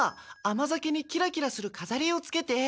甘酒にキラキラするかざりをつけて。